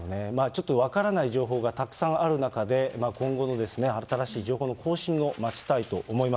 ちょっと分からない情報がたくさんある中で、今後の新しい情報の更新を待ちたいと思います。